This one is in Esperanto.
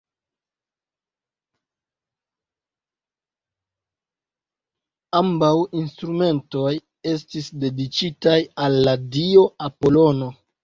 Ambaŭ instrumentoj estis dediĉitaj al la dio Apolono.